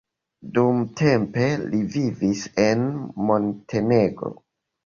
Dumtempe li vivis en Montenegro.